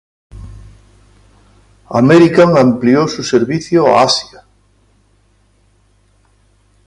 American amplió su servicio a Asia.